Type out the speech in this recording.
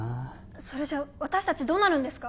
それじゃ私達どうなるんですか？